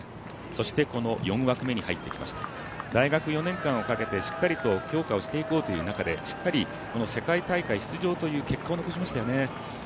そしてこの４枠目に入ってきました大学４年間をかけて、しっかりと強化していこうという中でしっかり世界大会出場という結果を残しましたよね。